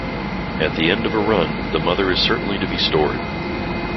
At the end of a run, the mother is certainly to be stored.